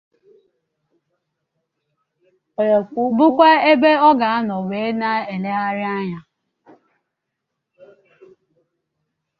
bụkwa ebe ọ ga-anọ wee na-elegharị anya